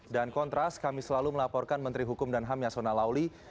dan kontras kami selalu melaporkan menteri hukum dan ham yasona lauli